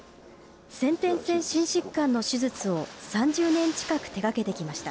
先天性心疾患の手術を３０年近く手がけてきました。